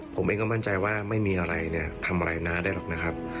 ผมเองก็มั่นใจว่าไม่มีอะไรเนี่ยทำอะไรน้าได้หรอกนะครับ